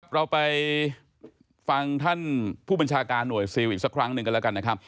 เราไปฟังท่านผู้บัญชาการหน่วยซิลอีกสักครั้งหนึ่งกันแล้วกันนะครับ